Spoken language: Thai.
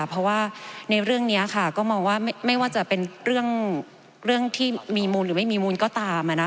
เพราะว่าในเรื่องนี้ค่ะก็มองว่าไม่ว่าจะเป็นเรื่องที่มีมูลหรือไม่มีมูลก็ตาม